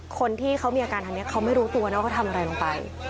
คนที่เขามีอาการทางนี้เขาไม่รู้ตัวนะว่าเขาทำอะไรลงไป